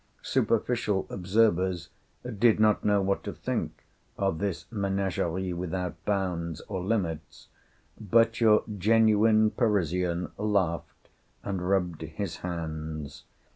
Superficial observers did not know what to think of this menagerie without bounds or limits; but your genuine Parisian laughed and rubbed his hands.